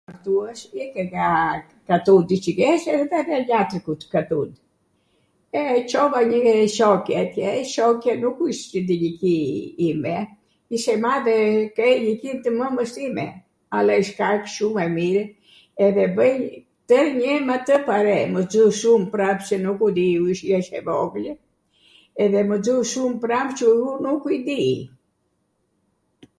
...ika nga katundi qw jesh edhe vata nw njatwr katund, e, Cova njw shoqe atje, shoqe nuku wsht nw iliqi ime, ish e madhe nw iliqi tw mwmws sime alla wsht kaq shumw e mir edhe bwj twrnjw me tw pare, mw nxu shum pram qw nuku dij u, jesh e vogwlw edhe mw nxu shum pram qw unw nuku i dij